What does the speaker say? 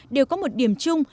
đều có một điểm chung